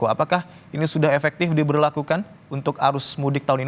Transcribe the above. apakah ini sudah efektif diberlakukan untuk arus mudik tahun ini